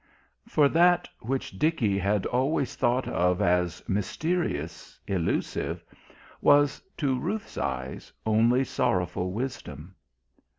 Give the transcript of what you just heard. For that which Dickie had always thought of as mysterious, elusive, was, to Ruth's eyes, only sorrowful wisdom.